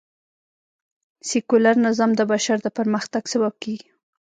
سکیولر نظام د بشر د پرمختګ سبب کېږي